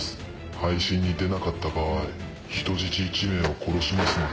配信に出なかった場合人質１名を殺しますので。